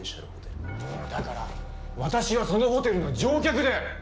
だから私はそのホテルの常客で。